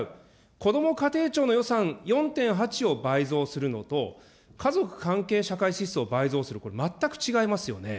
こども家庭庁の予算４．８を倍増するのと、家族関係社会支出を倍増する、これ全く違いますよね。